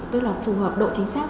tức là độ chính xác